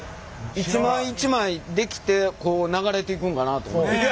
一枚一枚出来てこう流れていくんかなと思ってた。